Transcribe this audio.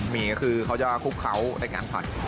มีก็คือเขาจะคุกเขาได้งั้นผัด